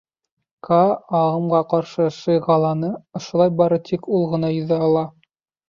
Каа ағымға ҡаршы шыйғаланы, ошолай бары тик ул ғына йөҙә ала.